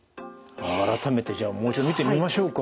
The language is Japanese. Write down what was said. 改めてじゃあもう一度見てみましょうか。